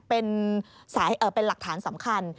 เป็นหลักฐานสำคัญ